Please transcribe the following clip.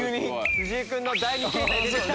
藤井君の第二形態出ちゃった。